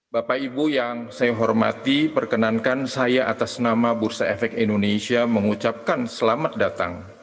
bapak ibu yang saya hormati perkenankan saya atas nama bursa efek indonesia mengucapkan selamat datang